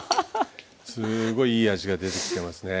すごいいい味が出てきてますね。